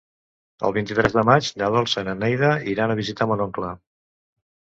El vint-i-tres de maig na Dolça i na Neida iran a visitar mon oncle.